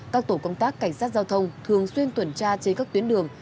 các tổ công tác cảnh sát giao thông thường xuyên tuần tra trên các tuyến đường